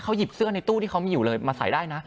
เค้ายีบเสื้อน้ายตู้ที่เค้ามีอยู่เลยมาใส่ได้นะ